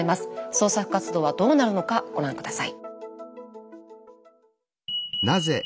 捜索活動はどうなるのかご覧下さい。